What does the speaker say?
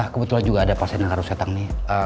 kebetulan juga ada pasien yang harus datang nih